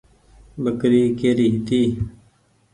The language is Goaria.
ٻڪري ڪيري هيتي۔